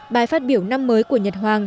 bài phát biểu năm mới của nhật hoàng